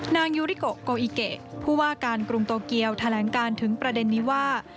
นางยูริโกโกอิเกผู้ว่าการกรุงโตเกียวแถลงการถึงประเด็นนี้ว่า